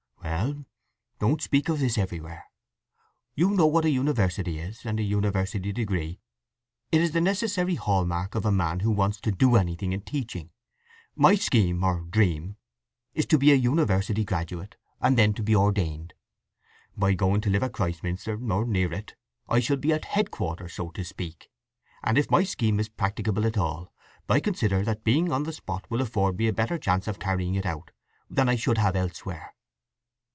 "Well—don't speak of this everywhere. You know what a university is, and a university degree? It is the necessary hallmark of a man who wants to do anything in teaching. My scheme, or dream, is to be a university graduate, and then to be ordained. By going to live at Christminster, or near it, I shall be at headquarters, so to speak, and if my scheme is practicable at all, I consider that being on the spot will afford me a better chance of carrying it out than I should have elsewhere."